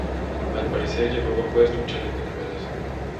Al parecer, llevaba puesto un chaleco antibalas.